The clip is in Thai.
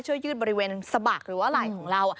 ยืดบริเวณสะบักหรือว่าไหล่ของเรา